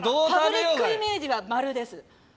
パブリックイメージは○です。